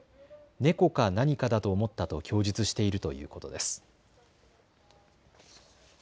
猫か何かだと思ったと供述しているということです。